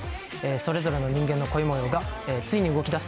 それぞれの人間の恋模様がついに動き出す。